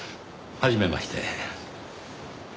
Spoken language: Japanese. はじめまして。